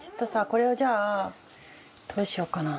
これをじゃあどうしようかな。